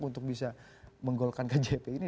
untuk bisa menggolkan kjp ini